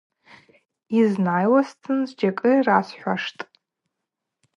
Йызнайуазтын зджьакӏы йрасхӏвуаштӏ.